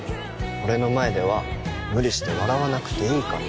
俺の前では無理して笑わなくていいから